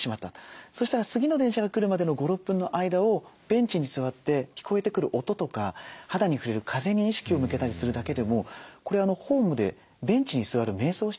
そしたら次の電車が来るまでの５６分の間をベンチに座って聞こえてくる音とか肌に触れる風に意識を向けたりするだけでもこれホームでベンチに座るめい想をしてることになりますよね。